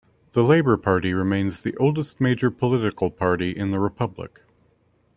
The Labour Party remains the oldest major political party in the Republic.